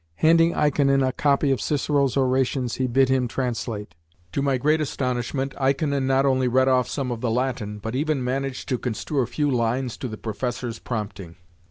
Handing Ikonin a copy of Cicero's Orations, he bid him translate. To my great astonishment Ikonin not only read off some of the Latin, but even managed to construe a few lines to the professor's prompting.